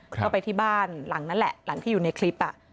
ก็ไปที่บ้านหลังนั้นแหละหลังที่อยู่ในคลิป